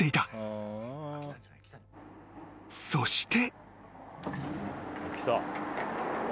［そして］